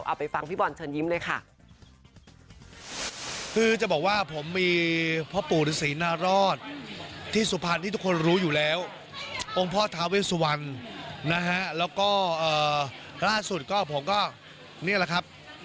เอาไปฟังพี่บอลเชิญยิ้มเลยค่ะ